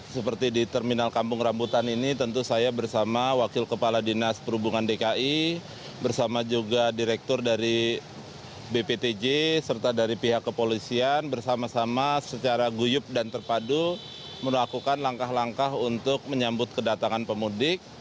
seperti di terminal kampung rambutan ini tentu saya bersama wakil kepala dinas perhubungan dki bersama juga direktur dari bptj serta dari pihak kepolisian bersama sama secara guyup dan terpadu melakukan langkah langkah untuk menyambut kedatangan pemudik